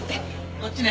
こっちね。